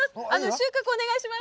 収穫お願いします。